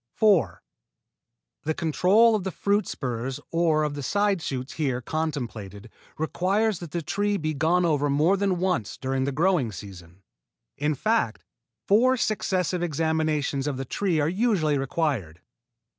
4. The control of the fruit spurs or of the side shoots here contemplated requires that the trees be gone over more than once during the growing season. In fact, four successive examinations of the tree are usually required.